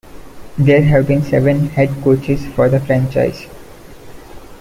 There have been seven head coaches for the franchise.